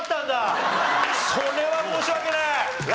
それは申し訳ない！